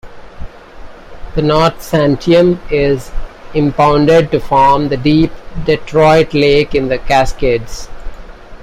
The North Santiam is impounded to form the deep Detroit Lake in the Cascades.